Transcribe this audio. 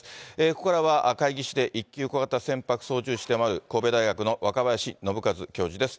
ここからは、で、１級小型船舶操縦士でもある、神戸大学の若林伸和教授です。